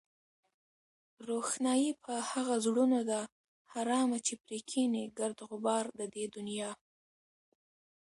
روښنايي په هغو زړونو ده حرامه چې پرې کېني گرد غبار د دې دنيا